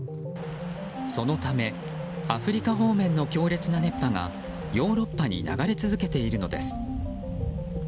そのためアフリカ方面の強烈な熱波がヨーロッパに流れ続けているのです。